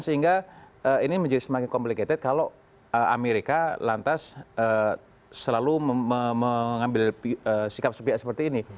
sehingga ini menjadi semakin komplikated kalau amerika lantas selalu mengambil sikap sepihak seperti ini